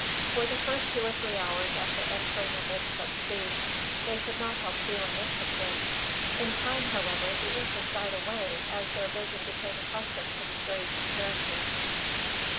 For the first two or three hours after entering amid such scenes, they could not help feeling interested. In time, however, the interest died away as their vision became accustomed to the strange appearances.